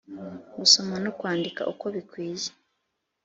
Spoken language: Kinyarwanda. . Gusoma no kwandika uko bikwiye